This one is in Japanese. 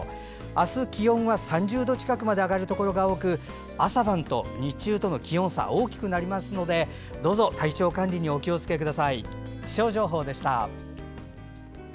明日、気温は３０度近くまで上がるところが多く朝晩と日中との気温差が大きくなりますので体調管理にお気を付けください。